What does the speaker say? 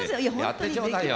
やってちょうだいよ。